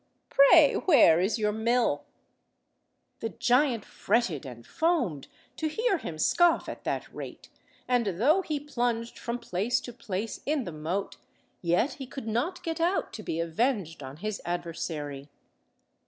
Pray, where is your mill?" The giant fretted and foamed to hear him scoff at that rate, and though he plunged from place to place in the moat, yet he could not get out to be avenged on his adversary.